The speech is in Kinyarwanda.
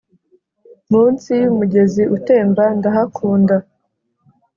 munsi yumugezi utemba ndahakunda,